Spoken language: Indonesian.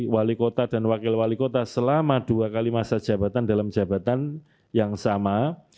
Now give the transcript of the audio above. wali kota dan wakil wali kota selama dua kali masa jabatan dalam jabatan yang sama